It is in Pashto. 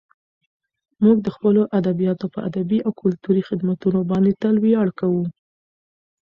موږ د خپلو ادیبانو په ادبي او کلتوري خدمتونو باندې تل ویاړ کوو.